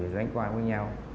đánh quan với nhau